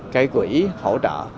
cái quỹ hỗ trợ